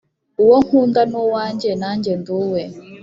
Uwo nkunda ni uwanjye, nanjye ndi uwe.